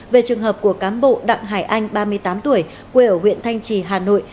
về trường hợp của cán bộ đặng hải anh ba mươi tám tuổi quê ở huyện thanh trì hà nội